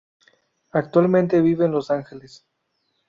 Actualmente vive en Los Angeles.